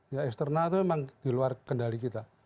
ya eksternal itu memang di luar kendali kita